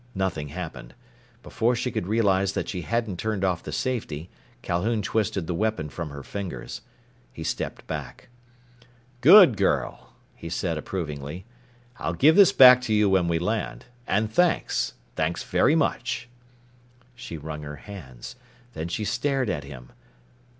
Nothing happened. Before she could realize that she hadn't turned off the safety, Calhoun twisted the weapon from her fingers. He stepped back. "Good girl!" he said approvingly. "I'll give this back to you when we land. And thanks. Thanks very much!" She wrung her hands. Then she stared at him.